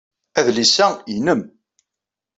Adlis-a nnem.